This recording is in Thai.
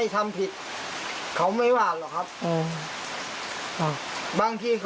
ถ้าเกิดลูกทำให้มามอบตัวอย่างนี้